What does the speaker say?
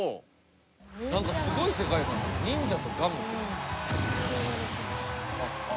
なんかすごい世界忍者とガム。